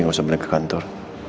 nggak usah beli ke kantor